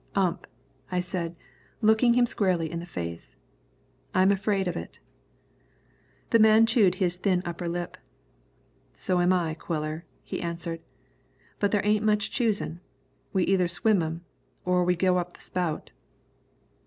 "Ump," I said, looking him squarely in the face, "I'm afraid of it." The man chewed his thin upper lip. "So am I, Quiller," he answered. "But there ain't much choosin'; we either swim 'em or we go up the spout."